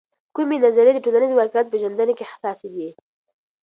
کومې نظریې د ټولنیز واقعیت پیژندنې کې حساسې دي؟